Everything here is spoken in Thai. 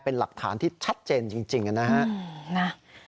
ก็เจ็บจริงนะฮะ